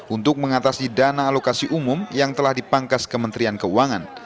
untuk mengatasi dana alokasi umum yang telah dipangkas kementerian keuangan